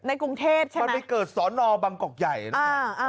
กรุงเทพใช่ไหมมันไปเกิดสอนอบังกอกใหญ่นะครับ